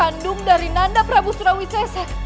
ingin mencerakai putranya sendiri